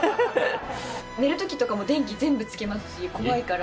寝るときとかも電気、全部つけますし、怖いから。